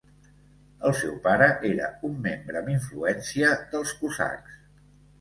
El seu pare era un membre amb influència dels cosacs.